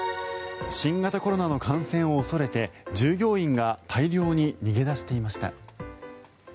新型コロナの感染を恐れて従業員が大量に逃げ出していました。